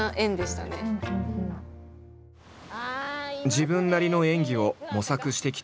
自分なりの演技を模索してきた飯豊。